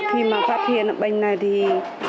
khi mà phát hiện bệnh này thì